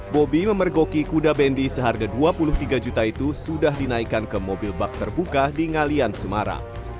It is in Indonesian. bobi memergoki kuda bendi seharga dua puluh tiga juta itu sudah dinaikkan ke mobil bak terbuka di ngalian semarang